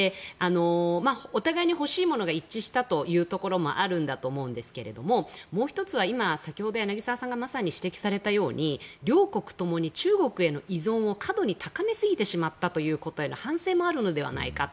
お互いに欲しいものが一致したというところもあるんだと思うんですけれどももう１つは先ほど柳澤さんがまさに指摘されたように両国ともに中国への依存を過度に高めすぎてしまったことへの反省もあるのではないかと。